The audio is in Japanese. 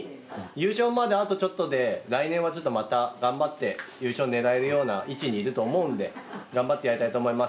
優勝まであとちょっとで来年はちょっとまた頑張って優勝狙えるような位置にいると思うんで頑張ってやりたいと思います。